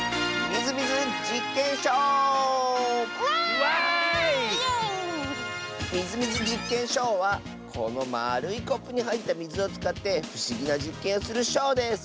「みずみずじっけんショウ」はこのまあるいコップにはいったみずをつかってふしぎなじっけんをするショウです！